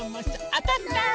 あたった！